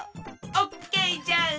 オッケーじゃ！